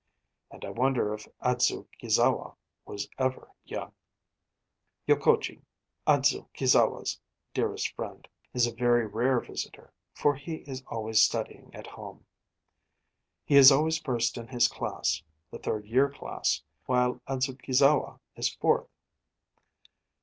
And I wonder if Adzukizawa was ever young. Yokogi, Adzukizawa's dearest friend, is a very rare visitor; for he is always studying at home. He is always first in his class the third year class while Adzukizawa is fourth.